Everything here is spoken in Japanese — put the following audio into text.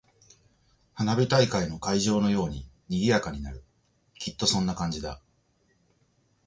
花火大会の会場のように賑やかになる。きっとそんな感じだ。